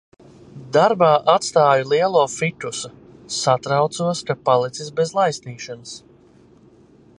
Darbā atstāju lielo fikusu. Satraucos, ka palicis bez laistīšanas.